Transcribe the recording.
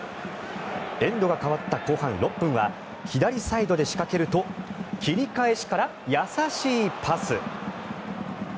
エンドが変わった後半６分は左サイドで仕掛けると切り返しから優しいパス。